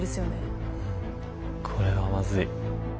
うんこれはまずい。